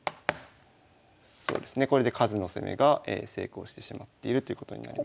そうですねこれで数の攻めが成功してしまっているということになります。